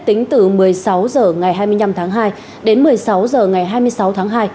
tính từ một mươi sáu h ngày hai mươi năm tháng hai đến một mươi sáu h ngày hai mươi sáu tháng hai